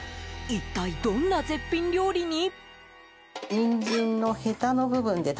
一体どんな絶品料理に？